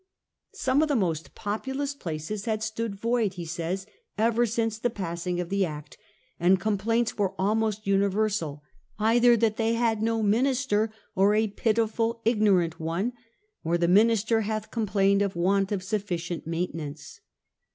Some of the most populous places had stood void, he says, ever since the passing of the Act, and complaints were almost uni versal, 'either that they have no minister, or a pitiful ignorant one, or the minister hath complained of want of sufficient maintenance.